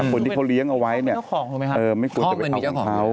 คนที่เขาเลี้ยงเอาไว้เนี่ยไม่ควรจะไปทำของเขา